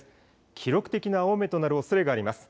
記録的な大雨となるおそれがあります。